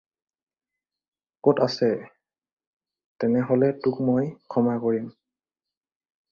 ক'ত আছে, তেনেহ'লে তোক মই ক্ষমা কৰিম।